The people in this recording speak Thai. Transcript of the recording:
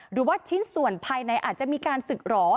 หรือว่าชิ้นส่วนภายในอาจจะมีการศึกหรอ